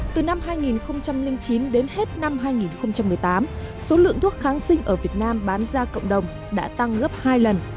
từ năm hai nghìn chín đến hết năm hai nghìn một mươi tám số lượng thuốc kháng sinh ở việt nam bán ra cộng đồng đã tăng gấp hai lần